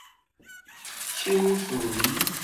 手隨